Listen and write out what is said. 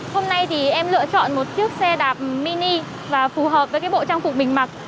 hôm nay em lựa chọn một chiếc xe đạp mini và phù hợp với bộ trang phục bình mặt